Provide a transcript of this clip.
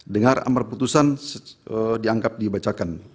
dengar amar putusan dianggap dibacakan